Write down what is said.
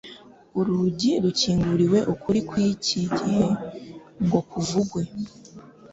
urugi rukinguriwe ukuri kw'iki gihe ngo kuvugwe